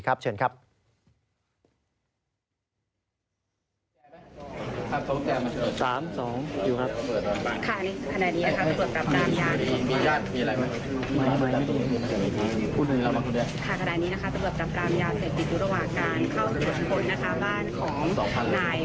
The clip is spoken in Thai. บ้านของนายรัชพนธ์ซึ่งเป็นเกลือข่ายของทางด้านของนาย